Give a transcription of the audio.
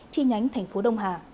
chi nhánh thành phố đông hà